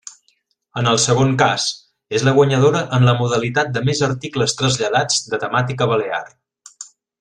En el segon cas, és la guanyadora en la modalitat de més articles traslladats de temàtica balear.